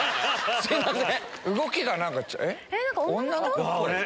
すいません。